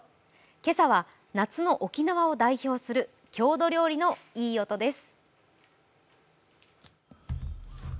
今朝は夏の沖縄を代表する郷土料理のいい音です。